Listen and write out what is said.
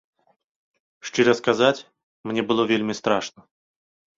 Шчыра сказаць, мне было вельмі страшна.